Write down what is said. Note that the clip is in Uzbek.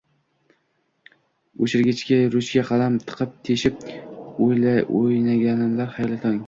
O'chirgichga ruchka, qalam tiqib teshib o'ynaganlar, xayrli tong!